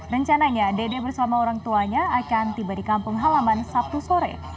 rencananya dede bersama orang tuanya akan tiba di kampung halaman sabtu sore